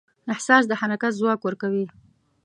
احساس د حرکت ځواک ورکوي.